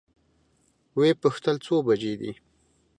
وې پوښتل څو بجې دي؟